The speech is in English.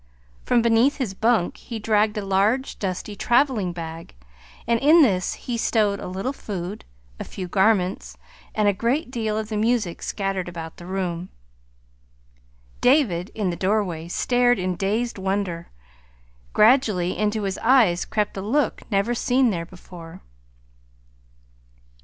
From beneath his bunk he dragged a large, dusty traveling bag, and in this he stowed a little food, a few garments, and a great deal of the music scattered about the room. David, in the doorway, stared in dazed wonder. Gradually into his eyes crept a look never seen there before.